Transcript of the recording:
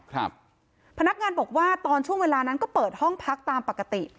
ครับพนักงานบอกว่าตอนช่วงเวลานั้นก็เปิดห้องพักตามปกติ